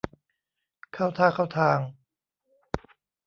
เข้าท่าเข้าทาง